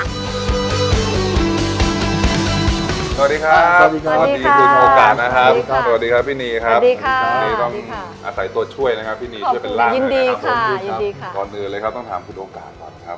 สวัสดีครับสวัสดีครับสวัสดีครับสวัสดีคุณโอกาสนะครับ